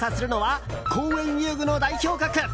今回、調査するのは公園遊具の代表格！